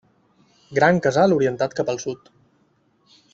Gran casal orientat cap al sud.